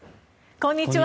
こんにちは。